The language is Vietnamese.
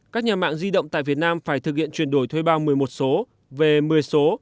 các nhà mạng di động tại việt nam phải thực hiện chuyển đổi thuê bao một mươi một số về một mươi số